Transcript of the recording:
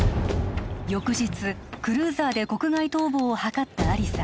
翌日クルーザーで国外逃亡を図った亜理紗